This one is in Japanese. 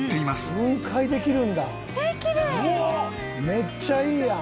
めっちゃいいやん！